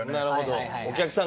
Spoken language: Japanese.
なるほど。